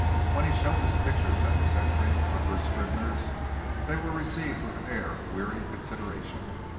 When he showed his pictures at the Century, Harper's, Scribner's, they were received with an air of weary consideration.